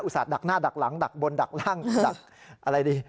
ดักหน้าดักหลังดักบนดักล่างดักอะไรดี